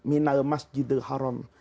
minal masjidil haram